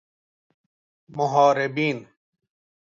محاربین